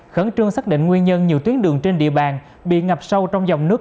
khẩn trương xác định nguyên nhân nhiều tuyến đường trên địa bàn bị ngập sâu trong dòng nước